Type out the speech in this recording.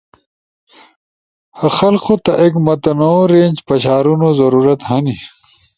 خلقو تا ایک متنوع رینج پشارونو ضرورت ہنی،